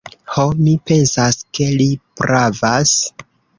Ho, mi pensas ke li pravas.